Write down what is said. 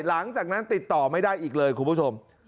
หลังจากนั้นติดต่อไม่ได้อีกเลยคุณผู้ชม